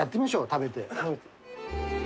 食べて。